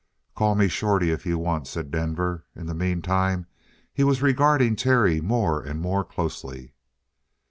"Call me Shorty if you want," said Denver. In the meantime he was regarding Terry more and more closely.